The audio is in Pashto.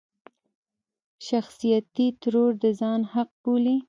شخصيتي ترور د ځان حق بولي.